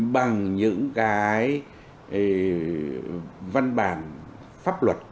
bằng những cái văn bản pháp luật